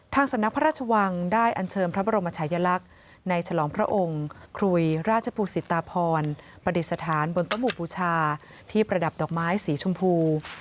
สำนักพระราชวังได้อันเชิญพระบรมชายลักษณ์ในฉลองพระองค์ครุยราชภูสิตาพรปฏิสถานบนโต๊ะหมู่บูชาที่ประดับดอกไม้สีชมพู